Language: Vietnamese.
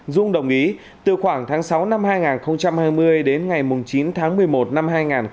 dung đồng ý từ khoảng tháng sáu năm hai nghìn hai mươi đến ngày chín tháng một mươi một năm hai nghìn hai mươi